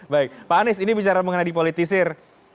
baik pak anies ini bicara mengenai dipolitisir